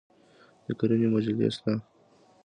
د کرنې مجلې شته؟